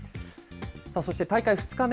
さあそして、大会２日目。